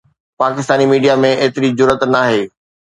Pakistani media ۾ ايتري جرئت ناهي